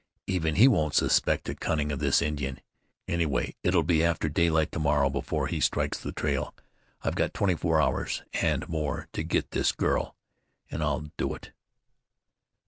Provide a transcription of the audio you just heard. Even he won't suspect the cunning of this Indian; anyway it'll be after daylight to morrow before he strikes the trail. I've got twenty four hours, and more, to get this girl, and I'll do it!"